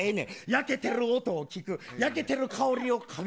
焼けてる音をきく焼けてる香りをかぐ。